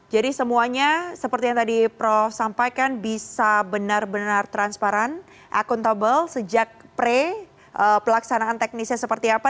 jadi semuanya seperti yang tadi prof sampaikan bisa benar benar transparan akuntabel sejak pre pelaksanaan teknisnya seperti apa